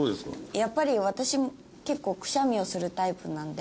やっぱり私も結構くしゃみをするタイプなので。